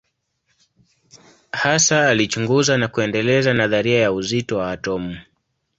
Hasa alichunguza na kuendeleza nadharia ya uzito wa atomu.